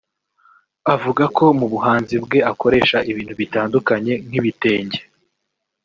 Avuga ko mu buhanzi bwe akoresha ibintu bitandukanye nk’ibitenge